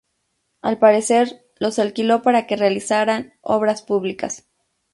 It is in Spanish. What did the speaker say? Al parecer, los alquiló para que realizaran obras públicas.